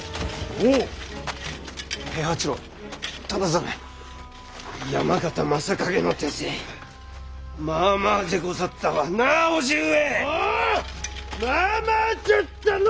おうまあまあじゃったの！